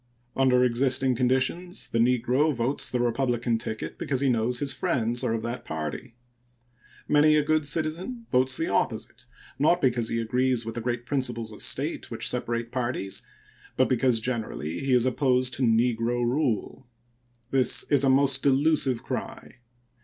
Under existing conditions the negro votes the Republican ticket because he knows his friends are of that party. Many a good citizen votes the opposite, not because he agrees with the great principles of state which separate parties, but because, generally, he is opposed to negro rule. This is a most delusive cry.